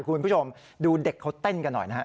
คุณผู้ชมดูเด็กเขาเต้นกันหน่อยนะฮะ